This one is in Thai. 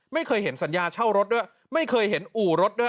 ไม่เคยเห็นสัญญาเช่ารถด้วยไม่เคยเห็นอู่รถด้วย